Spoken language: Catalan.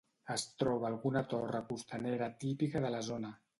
Es troba alguna torre costanera típica de la zona.